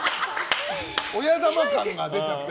親玉感が出ちゃって。